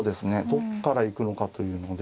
どっから行くのかというので。